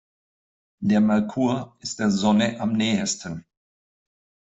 Der Merkur ist der Sonne am nähesten.